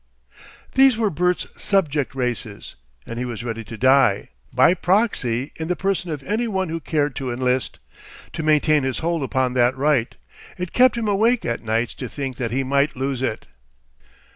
These were Bert's "Subject Races," and he was ready to die by proxy in the person of any one who cared to enlist to maintain his hold upon that right. It kept him awake at nights to think that he might lose it.